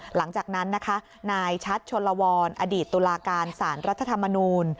หลังจากนั้นนะคะนายชัดชนลวรอดีตตุลาการสารรัฐธรรมนูล